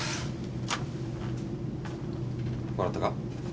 笑ったか？